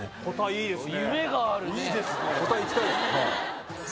いいですね。